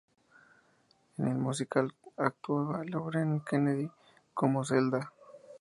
En el musical actuaba Lauren Kennedy como Zelda.